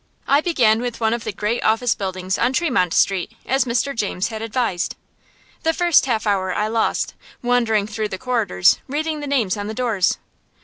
I began with one of the great office buildings on Tremont Street, as Mr. James had advised. The first half hour I lost, wandering through the corridors, reading the names on the doors.